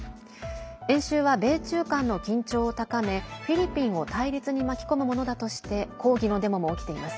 演習は中米間の緊張を高めフィリピンを対立に巻き込むものだとして抗議のデモも起きています。